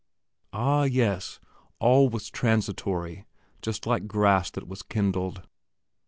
Ah, yes, all was transitory, just like grass that was kindled.